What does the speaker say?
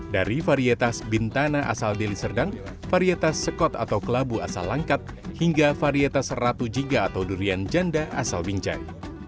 dari varietes bintana asal deliserdang varietes sekot atau kelabu asal langkat hingga varietes ratu jiga atau durian janda asal binjai